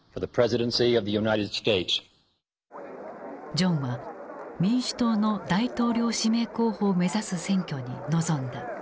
ジョンは民主党の大統領指名候補を目指す選挙に臨んだ。